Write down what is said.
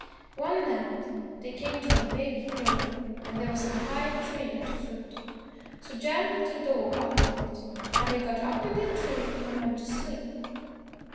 One night they came to a big hill, and there was a high tree at the foot. So Jan put the door up in it, and they got up in the tree and went to sleep.